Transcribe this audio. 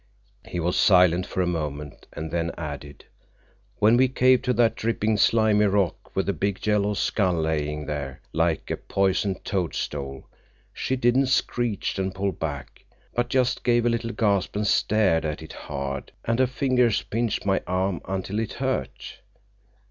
He was silent for a moment, and then added: "When we came to that dripping, slimy rock with the big yellow skull layin' there like a poison toadstool, she didn't screech and pull back, but just gave a little gasp and stared at it hard, and her fingers pinched my arm until it hurt.